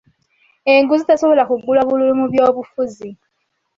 Enguzi tesobola kugula bululu mu by'obufuzi.